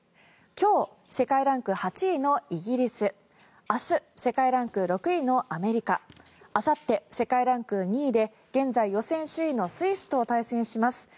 今日、世界ランク８位のイギリス明日、世界ランク６位のアメリカあさって世界ランク２位で現在、予選首位のスイスと対戦します。